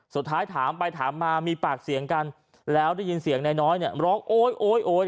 ถามไปถามมามีปากเสียงกันแล้วได้ยินเสียงนายน้อยเนี่ยร้องโอ๊ยโอ๊ยโอ๊ย